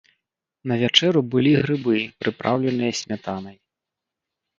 На вячэру былі грыбы, прыпраўленыя смятанай.